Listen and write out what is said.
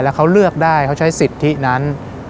แล้วเขาเลือกได้เขาใช้สิทธินั้น